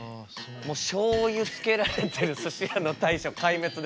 しょうゆつけられてるすし屋の大将壊滅です。